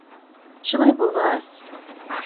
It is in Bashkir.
— Шулай булғас...